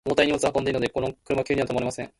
重たい荷物を積んでいるので、この車は急に止まれません。